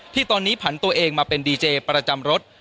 ที่ตอนนี้ผันตัวเองมาเป็นดีเจประจำรถ